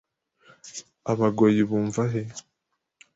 Abagoyi ubumva he